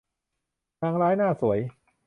นางร้ายหน้าสวย